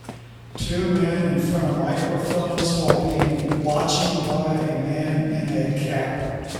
Two men in front of microphones while being watching by a man in a cap